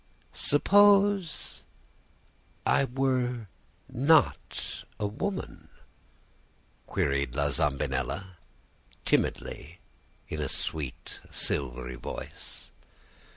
"'Suppose I were not a woman?' queried La Zambinella, timidly, in a sweet, silvery voice.